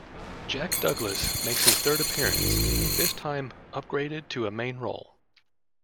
Jack Douglas makes his third appearance, this time upgraded to a main role.